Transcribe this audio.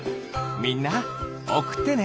みんなおくってね！